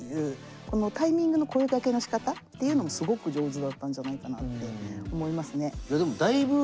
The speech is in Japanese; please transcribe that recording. このタイミングの声がけのしかたっていうのもすごく上手だったんじゃないかなって思いますね。